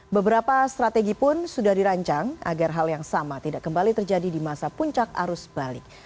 beberapa strategi pun sudah dirancang agar hal yang sama tidak kembali terjadi di masa puncak arus balik